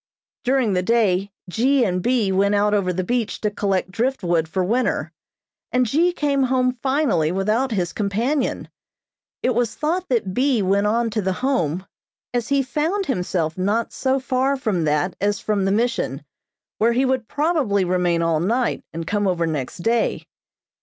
During the day G. and B. went out over the beach to collect driftwood for winter, and G. came home finally without his companion. It was thought that B. went on to the Home, as he found himself not so far from that as from the Mission, where he would probably remain all night, and come over next day.